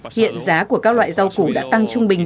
hiện giá của các loại rau cũ đã tăng trung bình